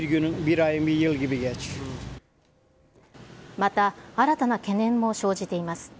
また、新たな懸念も生じています。